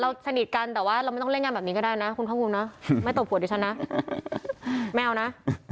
เราสนิทกันแต่ว่าเราไม่ต้องเล่นงามแบบนี้ก็ได้นะคุณครอบครูนะ